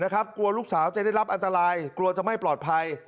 กลัวลูกสาวจะได้รับอันตรายกลัวจะไม่ปลอดภัย